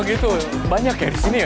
oh gitu banyak ya di sini ya